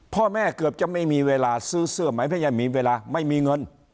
พ่อแม่เกือบจะไม่มีเวลาซื้อเสื้อไหมพยายามมีเวลาไม่มีเงิน